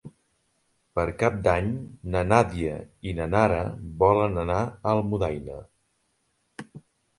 Per Cap d'Any na Nàdia i na Nara volen anar a Almudaina.